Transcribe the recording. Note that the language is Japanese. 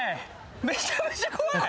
めちゃめちゃ怖い。